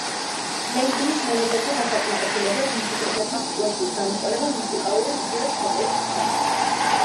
ლეიბლის მენეჯერთა დასაკმაყოფილებლად მუსიკოსებმა სიტუაციის გამოსწორება მუსიკალური ვიდეოს ჩაწერით სცადეს.